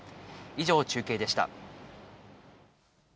以上、中継でした。